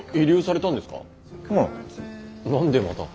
何でまた。